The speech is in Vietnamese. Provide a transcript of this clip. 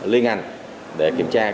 lưu ngành để kiểm tra